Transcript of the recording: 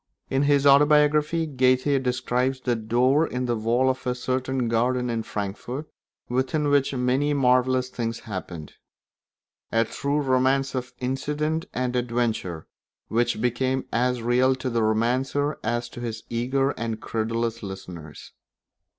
In his autobiography Goethe describes the door in the wall of a certain garden in Frankfort within which many marvellous things happened; a true romance of incident and adventure which became as real to the romancer as to his eager and credulous listeners.